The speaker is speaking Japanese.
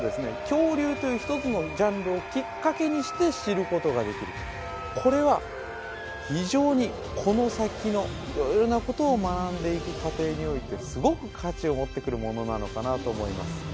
恐竜という一つのジャンルをきっかけにして知ることができるこれは非常にこの先の色々なことを学んでいく過程においてすごく価値を持ってくるものなのかなと思います